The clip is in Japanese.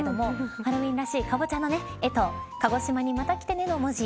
ハロウィーンらしいかぼちゃの絵と鹿児島にまた来てね、の文字。